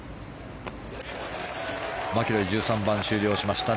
マキロイ、１３番終了しました。